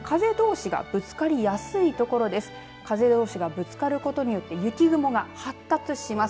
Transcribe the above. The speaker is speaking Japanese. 風どうしがぶつかることによって雪雲が発達します。